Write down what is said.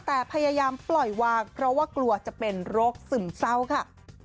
แต่พยายามปล่อยวางเพราะว่ากลัวจะเป็นโรคซึมเศร้าค่ะ